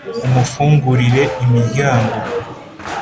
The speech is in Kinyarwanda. umufungurire imiryango,